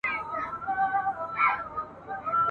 جنګ څخه مخکي د غلامانو په توګه ..